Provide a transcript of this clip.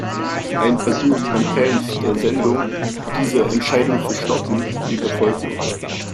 Ein Versuch von Fans der Sendung, diese Entscheidung zu stoppen, blieb erfolglos.